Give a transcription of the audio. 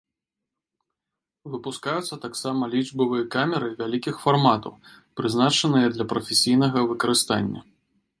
Выпускаюцца таксама лічбавыя камеры вялікіх фарматаў, прызначаныя для прафесійнага выкарыстання.